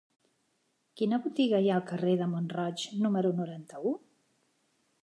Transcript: Quina botiga hi ha al carrer de Mont-roig número noranta-u?